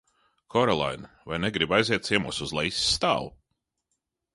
Koralaina, vai negribi aiziet ciemos uz lejasstāvu?